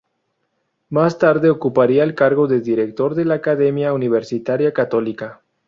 Más tarde ocuparía el cargo de director de la Academia Universitaria Católica.